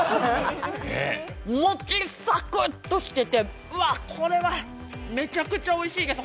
もっちり、サクッとしてて、うわっ、これはめちゃくちゃおいしいです。